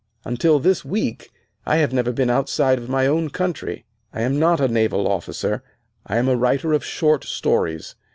Until this week, I have never been outside of my own country. I am not a naval officer. I am a writer of short stories.